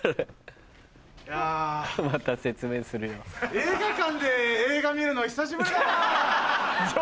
映画館で映画見るの久しぶりだなぁ。